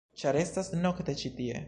-ĉar estas nokte ĉi tie-.